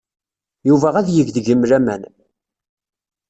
Yuba ad yeg deg-m laman.